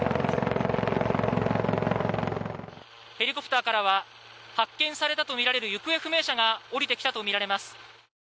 ヘリコプターからは発見されたとみられる行方不明者が降りてきたとみられます。